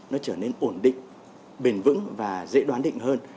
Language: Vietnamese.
nó trở nên ổn định bền vững và dễ đoán định hơn